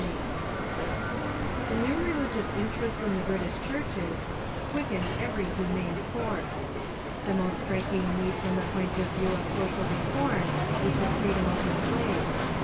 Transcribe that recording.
] The new religious interest in the British churches quick ened every humane force. The most striking need from the ,,_.,„ point of view of social reform was the freedom The New Human ' Hy. West India of the slave.